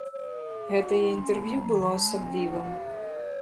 Гэтае інтэрв'ю было асаблівым.